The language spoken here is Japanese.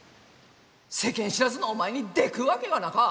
世間知らずのお前にでくっわけがなか！